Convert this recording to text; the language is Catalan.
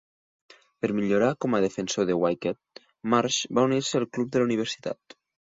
Per millorar com a defensor de wicket, Marsh va unir-se al club de la Universitat.